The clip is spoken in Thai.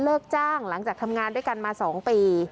เลิกจ้างหลังจากทำงานด้วยกันมา๒ปี